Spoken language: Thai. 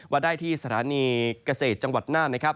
แว่นได้ที่สถานีเกศติจังหวัดหน้าน